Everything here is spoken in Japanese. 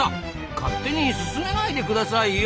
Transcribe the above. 勝手に進めないでくださいよ！